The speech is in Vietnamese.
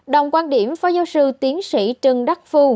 đồng quan điểm phó giáo sư tiến sĩ trần đắc phu